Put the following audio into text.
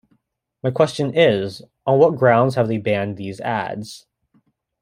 My question is, on what grounds have they banned these ads?